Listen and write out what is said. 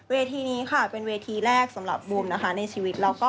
เวทีนี้ค่ะเป็นเวทีแรกสำหรับบูมนะคะในชีวิตเราก็